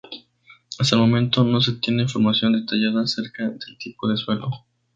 Hasta el momento no se tiene información detallada acerca del tipo de suelo.